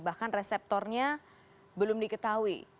bahkan reseptornya belum diketahui